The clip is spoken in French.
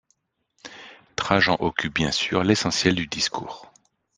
Trajan occupe bien sûr l'essentiel du discours.